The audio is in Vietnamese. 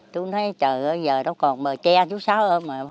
tôi nói trời ơi giờ đâu còn bờ tre chú sáu ôm rồi